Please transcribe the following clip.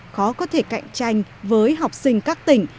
khó có thể cạnh tranh với học sinh các tỉnh